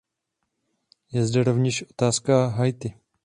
Je zde rovněž otázka Haiti.